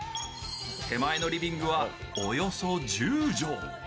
手前のリビングはおよそ１０畳。